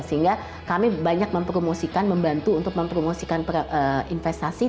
sehingga kami banyak mempromosikan membantu untuk mempromosikan investasi